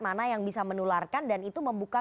mana yang bisa menularkan dan itu membuka